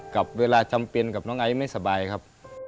กับเวลาจำเป็นกับน้องไอซ์ไม่สบายครับ